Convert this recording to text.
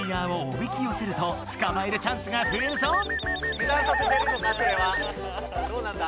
ゆだんさせてるのかそれは？どうなんだ？